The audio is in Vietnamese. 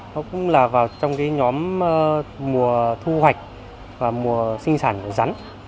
nó cũng là vào trong cái nhóm mùa thu hoạch và mùa sinh sản rắn